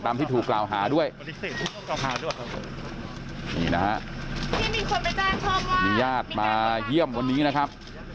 ตามที่ถูกกล่าวหาด้วยนี่นะฮะมีญาติมาเยี่ยมวันนี้นะครับ